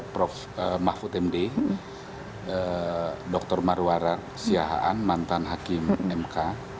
prof mahfud md dr marwara siahaan mantan hakim mk